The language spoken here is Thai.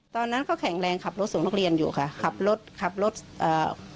ตอนนั้นเขาแข็งแรงขับรถส่งนักเรียนอยู่ค่ะขับรถขับรถอ่า